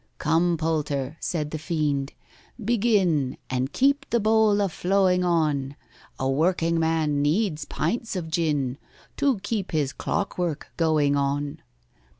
"Come, POLTER," said the fiend, "begin, And keep the bowl a flowing on— A working man needs pints of gin To keep his clockwork going on."